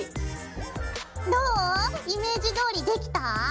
どう？イメージどおりできた？